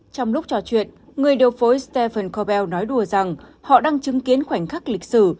trong lúc trò chuyện người điều phối stephen cobell nói đùa rằng họ đang chứng kiến khoảnh khắc lịch sử